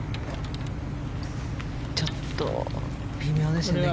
ちょっと微妙ですね。